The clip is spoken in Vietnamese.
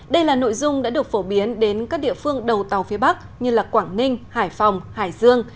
đây là nội dung đã được phổ biến đến các địa phương đầu tàu phía bắc như quảng ninh hải phòng hải dương